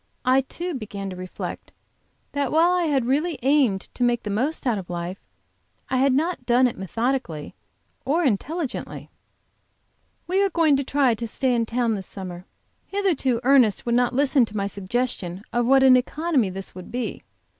I too, began to reflect, that while I had really aimed to make the most out of life, I had not done it methodically or intelligently. We are going to try to stay in town this summer. Hitherto Ernest would not listen to my suggestion of what an economy this would be.